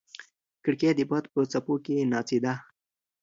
کړکۍ د باد په څپو کې ناڅېده.